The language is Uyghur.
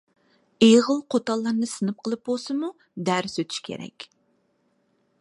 ئېغىل قوتانلارنى سىنىپ قىلىپ بولسىمۇ دەرس ئۆتۈش كېرەك.